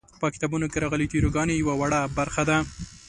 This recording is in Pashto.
په کتابونو کې راغلې تیوري ګانې یوه وړه برخه ده.